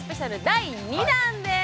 第２弾です！